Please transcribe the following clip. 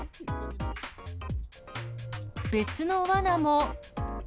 別のわなも。